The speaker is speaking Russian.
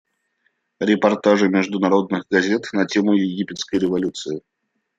Репортажи международных газет на тему египетской революции.